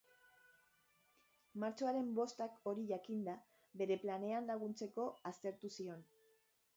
Martxoaren bostak hori jakinda, bere planean laguntzeko aztertu zion.